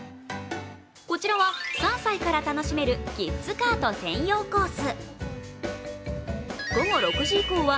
こちらは３歳から楽しめるキッズカート専用コース。